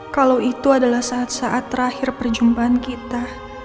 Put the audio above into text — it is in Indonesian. kalau itu adalah saat saat terakhir perjumpaan kita